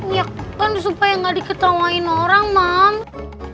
ya kan supaya gak diketawain orang mams